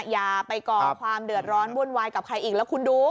อย่าไปก่อความเดือดร้อนวุ่นวายกับใครอีกแล้วคุณดู